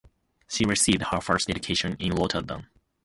She received her first education in Rotterdam.